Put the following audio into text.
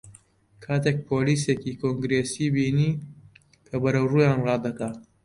کاتێک پۆلیسێکی کۆنگرێسی بینی کە بەرەو ڕوویان ڕادەکات